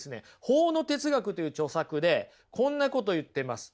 「法の哲学」という著作でこんなこと言ってます。